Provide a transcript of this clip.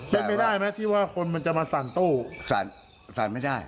เป็นไปได้ไหมที่ว่าคนมันจะมาสั่นตู้สั่นไม่ได้